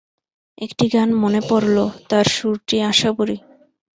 একটি গান মনে পড়ল, তার সুরটি আশাবরী।